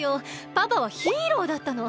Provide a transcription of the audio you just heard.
パパはヒーローだったの。